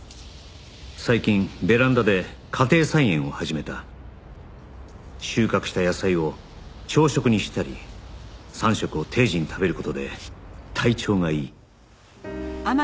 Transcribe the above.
「最近ベランダで家庭菜園を始めた」「収穫した野菜を朝食にしたり３食を定時に食べる事で体調がいい」